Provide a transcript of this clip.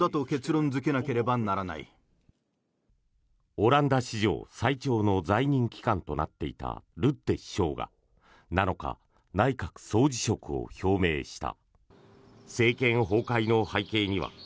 オランダ史上最長の在任期間となっていたルッテ首相が７日内閣総辞職を表明した。